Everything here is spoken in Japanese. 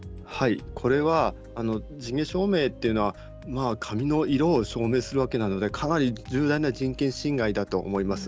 これは、地毛証明というのは髪の色を証明するわけなので重大な人権侵害だと思います。